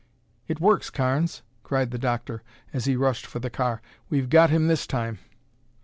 "It works, Carnes!" cried the doctor as he rushed for the car. "We've got him this time!"